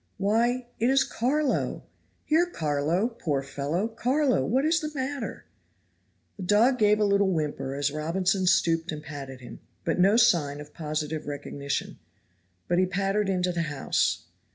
Why, it is Carlo! Here, Carlo, poor fellow, Carlo, what is the matter?" The dog gave a little whimper as Robinson stooped and patted him, but no sign of positive recognition, but he pattered into the house.